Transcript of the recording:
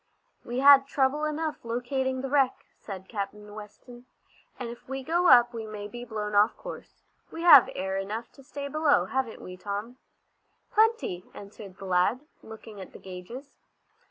"We had trouble enough locating the wreck," said Captain Weston, "and if we go up we may be blown off our course. We have air enough to stay below, haven't we, Tom?" "Plenty," answered the lad, looking at the gages.